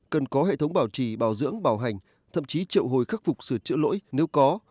cần có hệ thống bảo trì bảo dưỡng bảo hành thậm chí triệu hồi khắc phục sửa chữa lỗi nếu có